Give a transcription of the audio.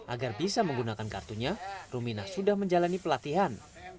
agar bisa menggunakan kartunya rumina sudah menjalani pelatihan